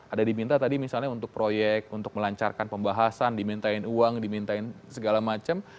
ada diminta tadi misalnya untuk proyek untuk melancarkan pembahasan dimintain uang dimintain segala macam